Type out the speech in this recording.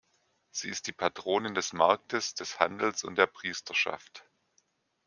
Sie ist die Patronin des Marktes, des Handels und der Priesterschaft.